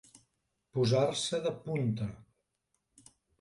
Posar-se de punta.